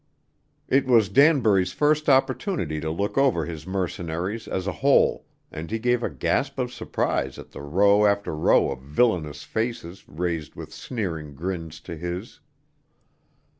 It was Danbury's first opportunity to look over his mercenaries as a whole and he gave a gasp of surprise at the row after row of villainous faces raised with sneering grins to his.